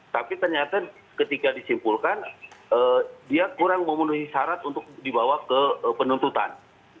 tapi ternyata ketika disimpulkan dia kurang memenuhi syarat untuk dibawa ke penuntutan